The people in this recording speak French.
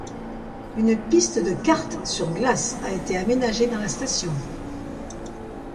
Une piste de kart sur glace a été aménagée dans la station.